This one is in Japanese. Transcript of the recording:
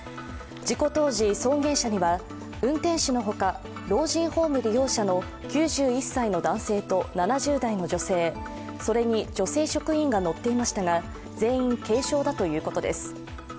事故当時、送迎車には運転手のほか老人ホーム利用者の９１歳の男性と７０代の女性、それに女性職員が乗っていましたが全員軽傷だということです。